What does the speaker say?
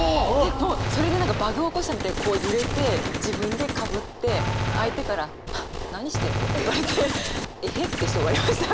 もうそれで何かバグを起こしたみたいにこう揺れて自分でかぶって相手から「ハッ何してんの？」って言われて「えへっ」ってして終わりました。